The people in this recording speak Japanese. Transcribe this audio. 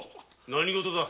・何事だ！